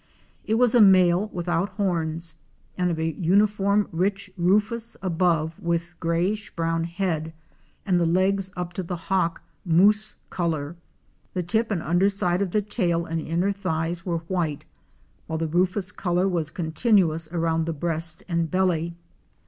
It was a male without horns, and of a uniform rich rufous above with grayish brown head, and the legs up to the hock mouse color. The tip and under side of the tail and inner thighs were white, while the rufous color was continuous around the breast and belly.